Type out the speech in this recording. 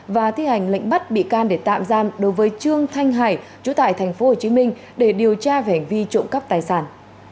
và thi hành lệnh bắt bị can để tạm giam đối với trương thanh hải chú tại tp hcm để điều tra về hành vi trộm cắp tài sản